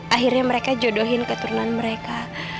akhirnya mereka jodohin keturunan mereka